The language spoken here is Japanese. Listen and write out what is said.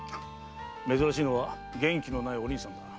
珍しいのは元気のないお凛さんだ。